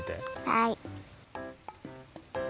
はい！